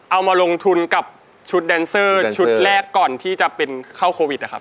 เอามาลงทุนกับชุดแดนเซอร์ชุดแรกก่อนที่จะเป็นเข้าโควิดนะครับ